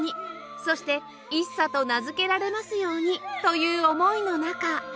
そして「一茶」と名付けられますようにという思いの中